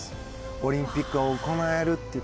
オリンピックが行えるという。